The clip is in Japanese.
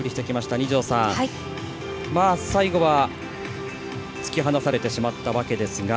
二條さん、最後は突き離されてしまったわけですが。